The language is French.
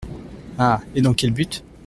Ah ! et dans quel but ?